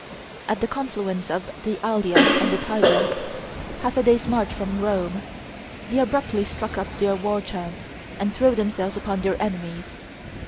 at the confluence of the Allia and the Tiber, half a day's march from Rome, they abruptly struck up their war chant, and threw themselves upon their enemies.